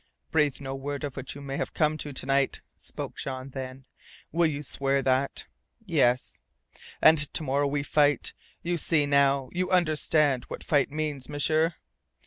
"Breathe no word of what may have come to you to night," spoke Jean then. "You will swear that?" "Yes." "And to morrow we fight! You see now you understand what that fight means, M'sieur?"